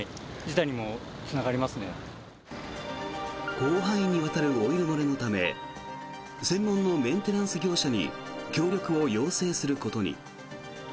広範囲にわたるオイル漏れのため専門のメンテナンス業者に協力を要請することに。